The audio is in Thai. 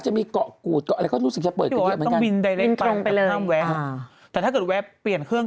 แต่ถ้าเกิดแวะเปลี่ยนเครื่อง